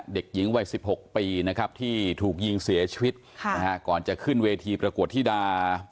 เด็กหญิงวัย๑๖ปีนะครับที่ถูกยิงเสียชีวิตก่อนจะขึ้นเวทีประกวดธิดา